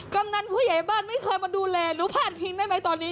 กำนันผู้ใหญ่บ้านไม่เคยมาดูแลรู้พาดพิงได้ไหมตอนนี้